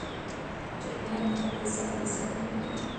چرګان د خپل ساحې ساتنه کوي.